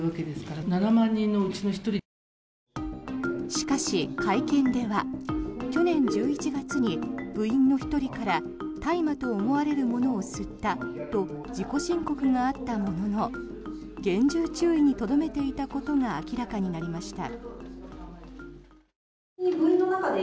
しかし、会見では去年１１月に、部員の１人から大麻と思われるものを吸ったと自己申告があったものの厳重注意にとどめていたことが明らかになりました。